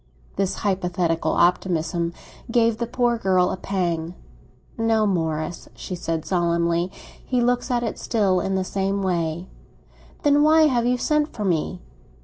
This hypothetical optimism gave the poor girl a pang. "No, Morris," she said solemnly, "he looks at it still in the same way." "Then why have you sent for me?"